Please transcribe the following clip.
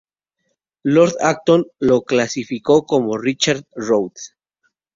Lord Acton lo clasificó con Richard Rothe.